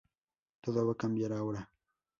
Todo va a cambiar ahora.